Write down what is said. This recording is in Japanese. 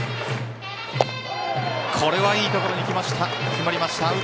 これはいいところに決まりました。